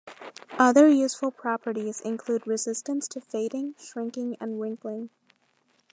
Other useful properties include resistance to fading, shrinking and wrinkling.